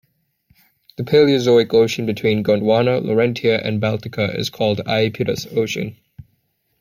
The Paleozoic ocean between Gondwana, Laurentia and Baltica is called the Iapetus Ocean.